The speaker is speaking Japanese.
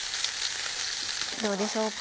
どうでしょうか？